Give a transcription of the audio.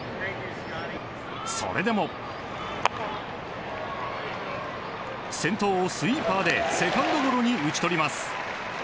それでも、先頭をスイーパーでセカンドゴロに打ち取ります。